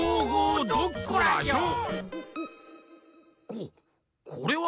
ここれは！